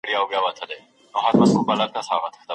کله به حکومت امنیت په رسمي ډول وڅیړي؟